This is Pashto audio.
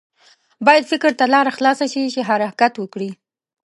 باید فکر ته لاره خلاصه شي چې حرکت وکړي.